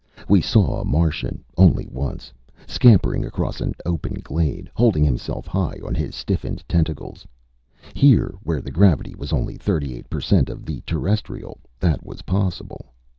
We saw a Martian only once scampering across an open glade, holding himself high on his stiffened tentacles. Here, where the gravity was only thirty eight percent of the terrestrial, that was possible.